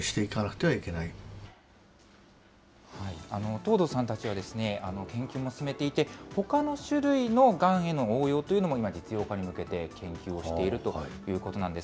藤堂さんたちは、研究も進めていて、ほかの種類のがんへの応用というのも今、実用化に向けて研究をしているということなんです。